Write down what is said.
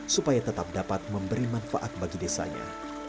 supaya tetap dapat memberi manfaat bagi desanya